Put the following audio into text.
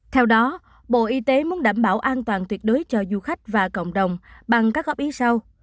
theo đó bộ y tế muốn đảm bảo an toàn tuyệt đối cho du khách và cộng đồng bằng các góp ý sau